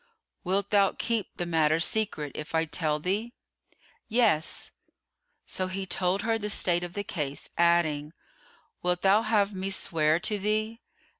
"Wilt thou keep the matter secret, if I tell thee?" "Yes!" So he told her the state of the case, adding, "Wilt thou have me swear to thee?"